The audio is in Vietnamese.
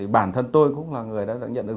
bản thân tôi cũng là người đã nhận được